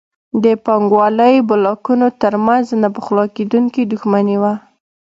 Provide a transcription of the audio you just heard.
د پانګوالۍ بلاکونو ترمنځ نه پخلاکېدونکې دښمني وه.